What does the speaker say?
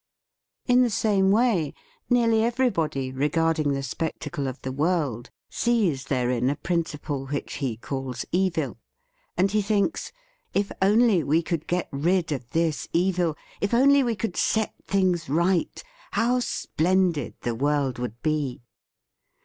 In the same way, nearly everybody, regarding the spectacle of the world, sees therein a THE FEAST OF ST FRIEND principle which he calls Evil; and he thinks: "If only we could get rid of this Evil, if only we could set things right, how splendid the world would be!"